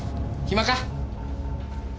暇か？